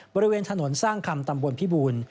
บริเวณถนนสร้างคำตำบลพิบูรณ์